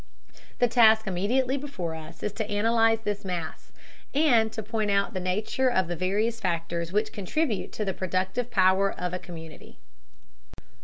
The task immediately before us is to analyze this mass, and to point out the nature of the various factors which contribute to the productive power of a community.